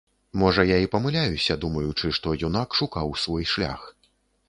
Можа, я і памыляюся, думаючы, што юнак шукаў свой шлях.